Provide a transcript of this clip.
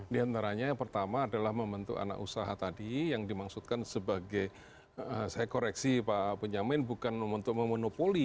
di antaranya yang pertama adalah membentuk anak usaha tadi yang dimaksudkan sebagai saya koreksi pak benyamin bukan untuk memonopoli